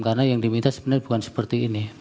karena yang diminta sebenarnya bukan seperti ini